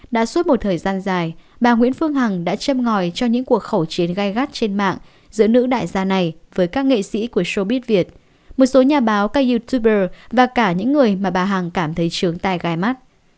đã suốt một thời gian dài bà nguyễn phương hằng đã châm ngòi cho những cuộc khẩu chiến gai gắt trên mạng giữa nữ đại gia này với các nghệ sĩ của sobit việt một số nhà báo ka youtuber và cả những người mà bà hằng cảm thấy trướng tay gai mắt